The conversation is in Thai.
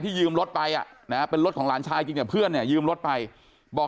ยืมรถไปเป็นรถของหลานชายจริงแต่เพื่อนเนี่ยยืมรถไปบอก